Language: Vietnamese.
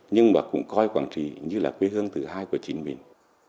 nhưng mà cũng coi quảng trị như là quê hương thứ hai của chính mình